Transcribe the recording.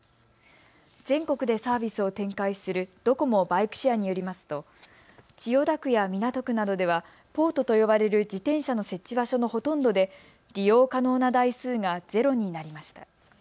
全国でサービスを展開するドコモ・バイクシェアによりますと千代田区や港区などではポートと呼ばれる自転車の設置場所のほとんどで利用可能な台数が０になりました。